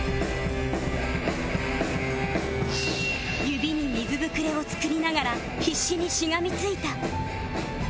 指に水ぶくれを作りながら必死にしがみついた